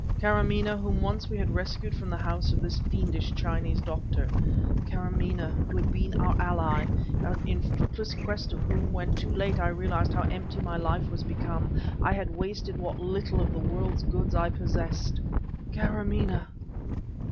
Karamaneh whom once we had rescued from the house of this fiendish Chinese doctor; Karamaneh who had been our ally; in fruitless quest of whom, when, too late, I realized how empty my life was become I had wasted what little of the world's goods I possessed; Karamaneh!